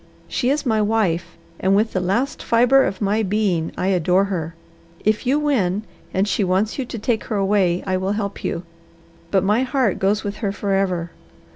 She is my wife, and with the last fibre of my being I adore her. If you win, and she wants you to take her away, I will help you; but my heart goes with her forever.